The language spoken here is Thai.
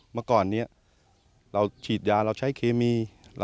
มครตเราฉีดยาเราใช้เคมี